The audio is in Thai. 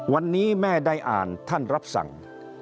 วันนี้แม่ได้อ่านท่านรับสั่ง